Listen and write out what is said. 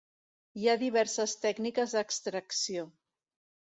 Hi ha diverses tècniques d'extracció.